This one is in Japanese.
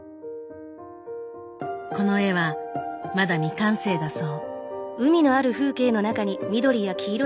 この絵はまだ未完成だそう。